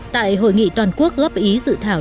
tại hội nghị toàn quốc góp ý dự thảo